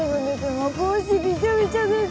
もう帽子びちゃびちゃです。